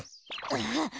あっ。